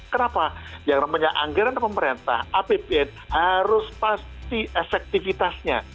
kenapa yang namanya anggaran pemerintah apbn harus pasti efektivitasnya